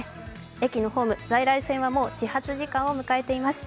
駅のホーム、在来線はもう始発時間を迎えています。